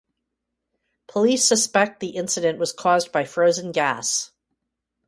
Police suspect the incident was caused by frozen gas.